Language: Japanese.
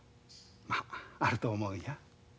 まああると思うんや。